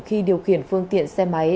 khi điều khiển phương tiện xe máy